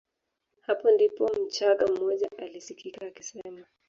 Hapo ndipo mchagga mmoja alisikika akisema